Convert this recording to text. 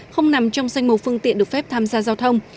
không nằm trong xanh mồ phương tiện được phép tham gia giao thông